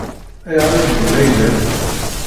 Ayɣer i wwin ayla-m?